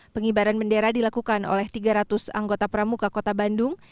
pengibaran bendera dilakukan oleh tiga ratus anggota pramuka kota bandung